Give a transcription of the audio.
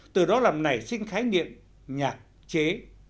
từ đó làm nảy sinh khái niệm nhạc chế